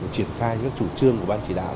triển khai các chủ trương của ban chỉ đạo